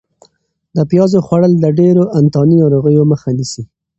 د پیازو خوړل د ډېرو انتاني ناروغیو مخه نیسي.